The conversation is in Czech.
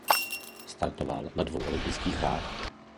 Startoval na dvou olympijských hrách.